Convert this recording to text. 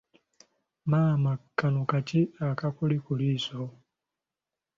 Maama kano kaki akakuli ku liiso?